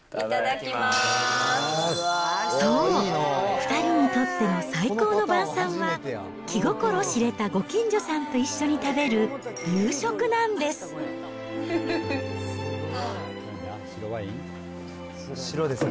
そう、２人にとっての最高の晩さんは、気心知れたご近所さんと一緒に食べる夕食なんです。